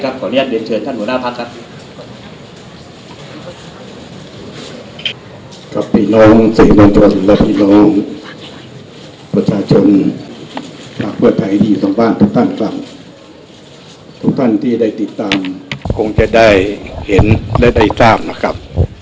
และทุกท่านที่ได้ติดตามคงจะได้เห็นได้ทราบนะครับ